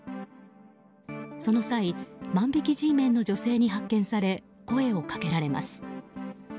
その際万引きＧメンの女性に発見され声をかけられます。